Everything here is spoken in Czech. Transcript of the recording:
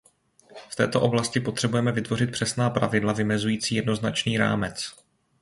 V této oblasti potřebujeme vytvořit přesná pravidla vymezující jednoznačný rámec.